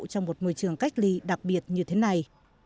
trong một môi trường cách ly đặc biệt như thế này